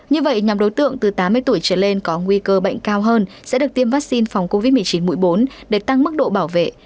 như vậy nhóm đối tượng từ tám mươi tuổi trở lên có nguy cơ bệnh cao hơn sẽ được tiêm vaccine phòng covid một mươi chín mũi bốn để tăng mức độ bảo vệ